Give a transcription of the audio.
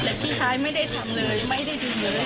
แต่พี่ชายไม่ได้ทำเลยไม่ได้ดูเลย